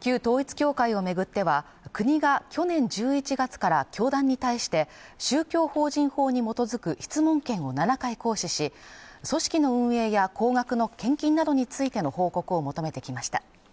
旧統一教会を巡っては国が去年１１月から教団に対して宗教法人法に基づく質問権を７回行使し組織の運営や高額の献金などについての報告を求めてきました